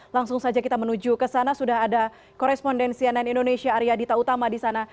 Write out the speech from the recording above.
langsung saja kita menuju ke sana sudah ada korespondensi ann indonesia arya dita utama di sana